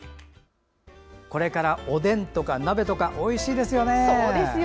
これから、おでんとか鍋とかおいしいですよね。